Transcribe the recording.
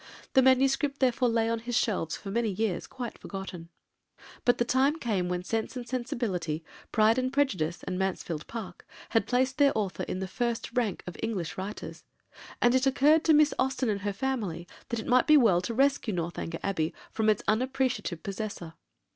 The manuscript therefore lay on his shelves for many years quite forgotten. But the time came when Sense and Sensibility, Pride and Prejudice, and Mansfield Park had placed their author in the first rank of English writers, and it occurred to Miss Austen and her family that it might be well to rescue Northanger Abbey from its unappreciative possessor.